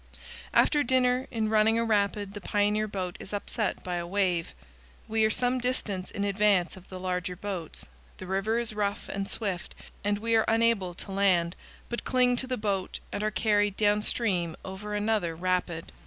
After dinner, in running a rapid the pioneer boat is upset by a wave. We are some distance in advance of the larger boats. The river is rough and swift and we are unable to land, but cling to the boat and are carried down stream over another rapid.